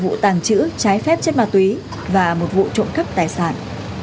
vụ tàng trữ trái phép chất ma túy và một vụ trộn cấp tài sản